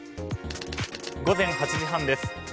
午前８時半です。